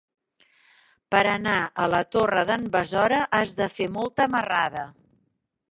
Per anar a la Torre d'en Besora has de fer molta marrada.